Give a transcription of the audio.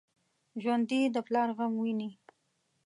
ژوندي د پلار غم ویني